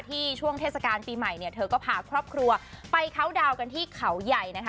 ช่วงเทศกาลปีใหม่เนี่ยเธอก็พาครอบครัวไปเคาน์ดาวนกันที่เขาใหญ่นะคะ